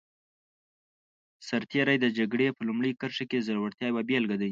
سرتېری د جګړې په لومړي کرښه کې د زړورتیا یوه بېلګه دی.